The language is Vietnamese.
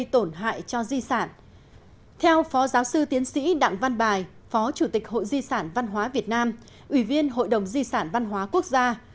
theo phó giáo sư tiến sĩ đặng văn bài phó chủ tịch hội di sản văn hóa việt nam ủy viên hội đồng di sản văn hóa quốc gia